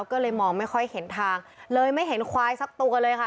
ก็เลยมองไม่ค่อยเห็นทางเลยไม่เห็นควายสักตัวเลยค่ะ